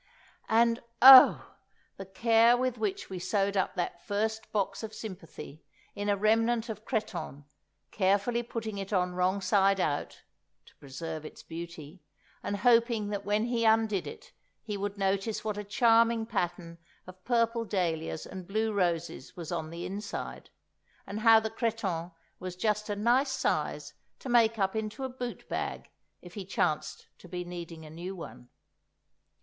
And oh! the care with which we sewed up that first box of sympathy in a remnant of cretonne, carefully putting it on wrong side out (to preserve its beauty), and hoping that when he undid it he would notice what a charming pattern of purple dahlias and blue roses was on the inside, and how the cretonne was just a nice size to make up into a boot bag if he chanced to be needing a new one.